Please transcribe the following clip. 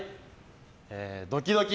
ドキドキ！